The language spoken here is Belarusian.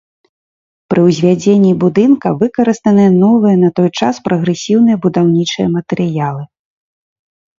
Пры ўзвядзенні будынка выкарыстаны новыя на той час прагрэсіўныя будаўнічыя матэрыялы.